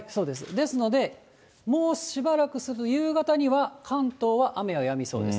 ですので、もうしばらくすると、夕方には関東は雨はやみそうです。